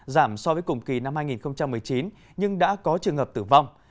giảm so với cùng kỳ năm hai nghìn một mươi chín nhưng đã có trường hợp tử vong